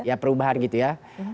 ya perubahan gitu ya